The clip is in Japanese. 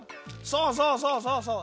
そうそうそうそうそう！